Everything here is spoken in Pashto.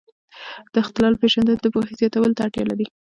د اختلال پېژندنه د پوهې زیاتولو ته اړتیا لري.